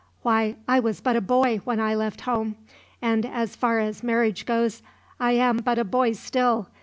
"Why, I was but a boy when I left home; and as far as marriage goes, I am but a boy still.